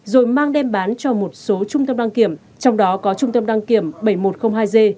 rồi mang đem bán cho một số trung tâm đăng kiểm trong đó có trung tâm đăng kiểm bảy nghìn một trăm linh hai g